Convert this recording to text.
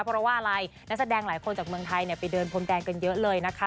เพราะว่าอะไรนักแสดงหลายคนจากเมืองไทยไปเดินพรมแดงกันเยอะเลยนะคะ